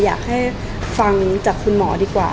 อยากให้ฟังจากคุณหมอดีกว่า